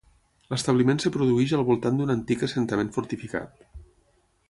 L'establiment es produïx al voltant d'un antic assentament fortificat.